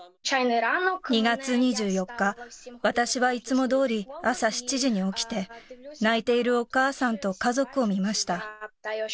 ２月２４日、私はいつもどおり、朝７時に起きて、泣いているお母さんと家族を見ました。